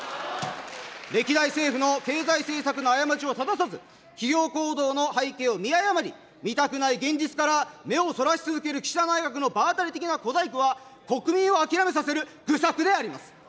歴代政府の経済政策の過ちをたださず、企業行動の背景を見誤り、見たくない現実から目をそらし続ける岸田内閣の場当たり的な小細工は、国民を諦めさせる愚策であります。